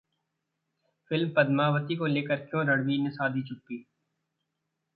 Film 'Padmavati' को लेकर क्यों रणवीर ने साधी चुप्पी?